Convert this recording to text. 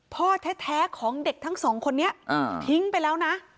พ่อแท้ของเด็กทั้งสองคนนี้ทิ้งไปแล้วนะ